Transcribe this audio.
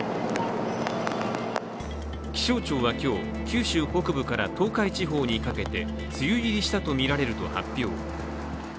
気象庁は今日、九州北部から東海地方にかけて梅雨入りしたとみられると発表。